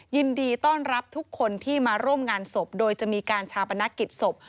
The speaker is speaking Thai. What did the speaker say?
ยินดีต้อนรับทุกคนที่มาร่วมงานศพโดยจะมีการชาปนกิจศพ